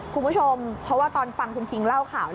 คุณผู้ชมเพราะว่าตอนฟังคุณคิงเล่าข่าว